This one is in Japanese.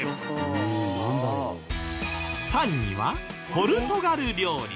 ３位はポルトガル料理。